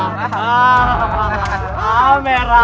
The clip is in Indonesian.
haa merah haa merah